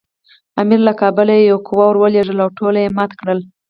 امیر له کابله یوه قوه ورولېږله او ټول یې مات کړل.